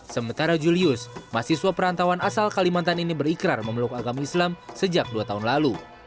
sementara julius mahasiswa perantauan asal kalimantan ini berikrar memeluk agama islam sejak dua tahun lalu